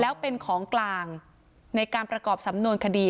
แล้วเป็นของกลางในการประกอบสำนวนคดี